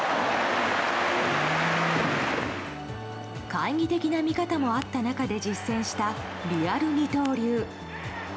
懐疑的な見方もあった中で実践したリアル二刀流。